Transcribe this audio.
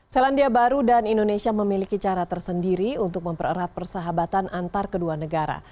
selandia baru dan indonesia memiliki cara tersendiri untuk mempererat persahabatan antar kedua negara